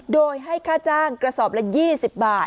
โดยให้ค่าจ้างกระสอบละ๒๐บาท